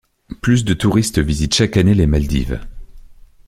Plus de touristes visitent chaque année les Maldives.